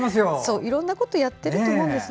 いろんなことやっていると思うんですね。